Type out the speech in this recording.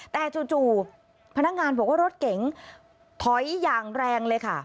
แต่จู่พนักงานบอกว่ารถเก๋งถอยอย่างแรงเลยค่ะ